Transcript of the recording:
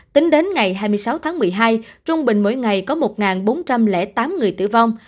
tính đến ngày hai mươi sáu tháng một mươi hai trung bình mỗi ngày có một bốn trăm linh tám người tử vong